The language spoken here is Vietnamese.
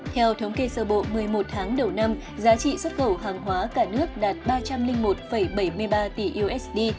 theo thống kê sơ bộ một mươi một tháng đầu năm giá trị xuất khẩu hàng hóa cả nước đạt ba trăm linh một bảy mươi ba tỷ usd